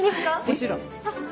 もちろん。